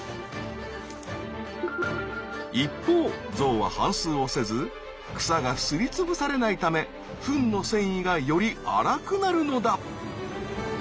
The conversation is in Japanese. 一方ゾウは反すうをせず草がすりつぶされないためフンの繊維がより粗くなるのだ。